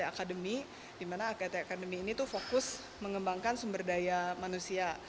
agate academy dimana agate academy ini tuh fokus mengembangkan sumber daya manusia